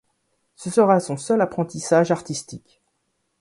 Ce sera son seul apprentissage artistique.